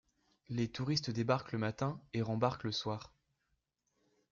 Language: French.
Les touristes débarquent le matin et rembarquent le soir.